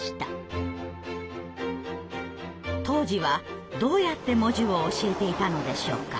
当時はどうやって文字を教えていたのでしょうか？